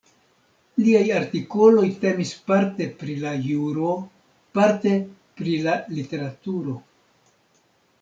Liaj artikoloj temis parte pri la juro, parte pri la literaturo.